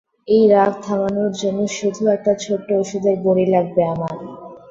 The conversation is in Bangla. এই রাগ থামানোর জন্য শুধু একটা ছোট্ট ওষুধের বড়ি লাগবে আমার।